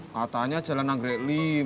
katanya jalan anggrek lima